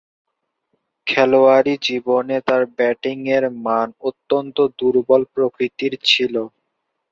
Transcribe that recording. খেলোয়াড়ী জীবনে তার ব্যাটিংয়ের মান অত্যন্ত দূর্বল প্রকৃতির ছিল।